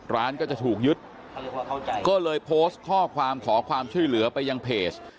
ร้านก็จะถูกยึดก็เลยโพสต์ข้อความขอความช่วยเหลือไปยังเพจ